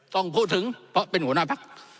ต้องพูดถึงเพราะเป็นหัวหน้าพัก